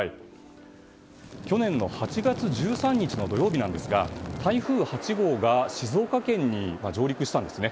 去年の８月１３日の土曜日ですが台風８号が静岡県に上陸したんですね。